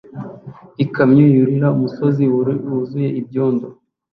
Ikamyo yurira umusozi wuzuye ibyondo